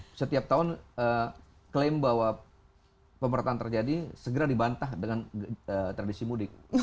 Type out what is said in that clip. tapi setiap tahun klaim bahwa pemerintahan terjadi segera dibantah dengan tradisi mudik